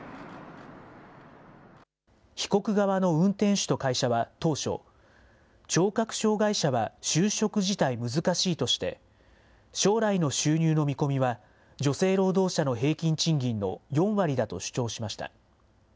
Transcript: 被告側の運転手と会社は当初、聴覚障害者は就職自体難しいとして、将来の収入の見込みは、女性労働者の平均賃金の４割だと主張しました。